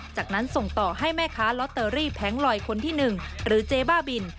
จากนั้นส่งต่อให้แม่ค้าลอตเตอรี่แผงลอยคนที่๑หรือเจ๊บ้าบิน